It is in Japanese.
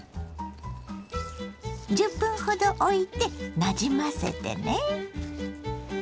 １０分ほどおいてなじませてね。